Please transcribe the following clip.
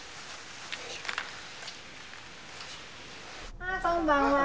あこんばんは。